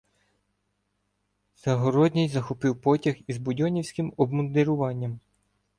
Загородній захопив потяг із будьонівським обмундируванням.